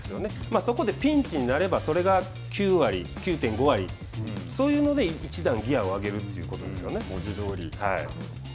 そこでピンチになればそれが９割、９．５割そういうので１段ギアを上げる文字どおり。